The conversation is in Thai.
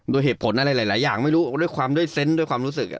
โดยเหตุผลอะไรหลายอย่างไม่รู้ด้วยความด้วยเซนต์ด้วยความรู้สึก